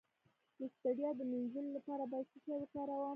د ستړیا د مینځلو لپاره باید څه شی وکاروم؟